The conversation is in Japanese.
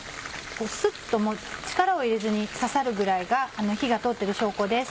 スッと力を入れずに刺さるぐらいが火が通ってる証拠です。